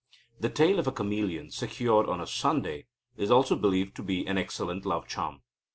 The tail of a chamæleon, secured on a Sunday, is also believed to be an excellent love charm.